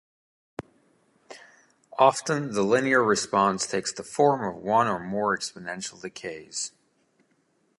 Often the linear response takes the form of one or more exponential decays.